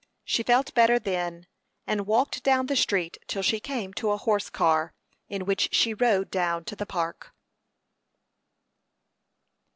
She felt better then, and walked down the street till she came to a horse car, in which she rode down to the Park.